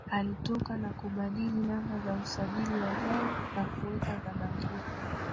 Alitoka na kubadili namba za usajili wa gari na kuweka za bandia